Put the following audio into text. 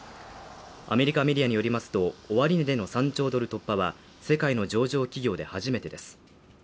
アメリカメディアによりますと、終値での３兆ドル突破は、世界の上場企業で初めてです。